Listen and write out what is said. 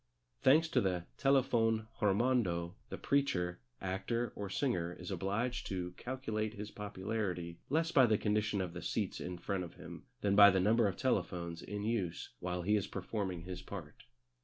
Thanks to the Telefon Hirmondo the preacher, actor, or singer is obliged to calculate his popularity less by the condition of the seats in front of him than by the number of telephones in use while he is performing his part.